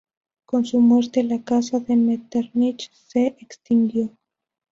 Con su muerte, la Casa de Metternich se extinguió.